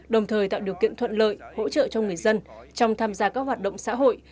đồng thời tạo điều kiện thuận lợi hỗ trợ cho người dân trong tham gia các hoạt động xã hội